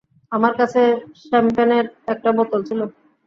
আমার কাছে শ্যাম্পেনের একটা বোতল ছিল।